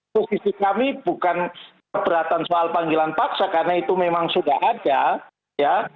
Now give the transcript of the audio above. posisi kami bukan keberatan soal panggilan paksa karena itu memang sudah ada ya